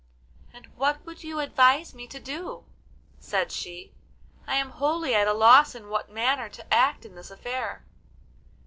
'And what would you advise me to do?' said she; 'I am wholly at a loss in what manner to act in this affair.